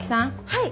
はい。